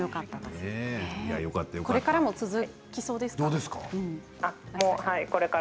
これからも続きそうですか。